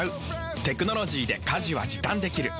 テクノロジーで家事は時短できる。